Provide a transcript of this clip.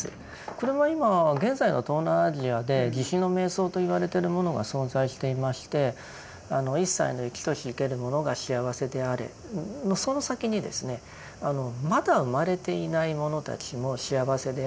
これは今現在の東南アジアで「慈悲の瞑想」と言われてるものが存在していまして一切の生きとし生けるものが幸せであれのその先にですねまだ生まれていないものたちも幸せであれっていうのが出てくるんです。